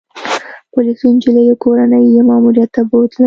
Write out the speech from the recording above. پولیسو انجلۍ او کورنۍ يې ماموریت ته بوتلل